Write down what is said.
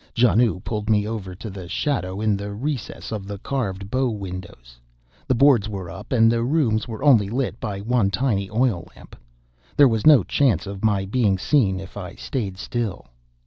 Janoo pulled me over to the shadow in the recess of the carved bow windows. The boards were up, and the rooms were only lit by one tiny oil lamp. There was no chance of my being seen if I stayed still.